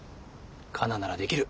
カナならできる。